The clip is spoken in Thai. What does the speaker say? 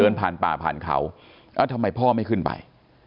เดินผ่านป่าผ่านเขาทำไมพ่อไม่ขึ้นไป